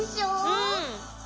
うん。